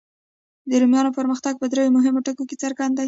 د رومیانو پرمختګ په دریو مهمو ټکو کې څرګند دی.